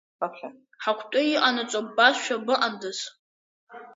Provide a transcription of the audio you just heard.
Ҳакәты иҟанаҵо ббазшәа быҟандаз!